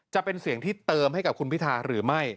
จะเป็นเสียงที่เติมให้กับคุณพิธาหรือไม่